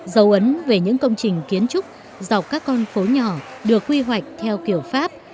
dấu ấn về những công trình kiến trúc dọc các con phố nhỏ được quy hoạch theo kiểu pháp